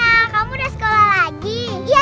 ok kita sambil yuk